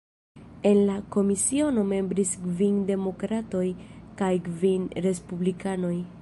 En la komisiono membris kvin Demokratoj kaj kvin Respublikanoj.